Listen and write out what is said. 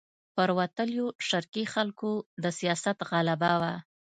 پر وتلیو شرقي خلکو د سیاست غلبه وه.